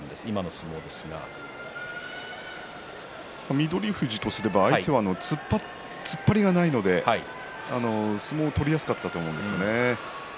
翠富士とすれば相手は突っ張りがないので相撲が取りやすかったと思うんですよね。